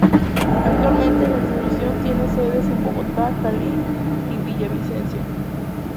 Actualmente, La Institución tiene sedes en Bogotá, Cali y villavicencio.